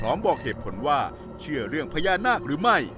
บอกเหตุผลว่าเชื่อเรื่องพญานาคหรือไม่